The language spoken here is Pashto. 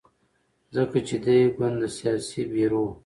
ځکه چې دې ګوند د سیاسي بیرو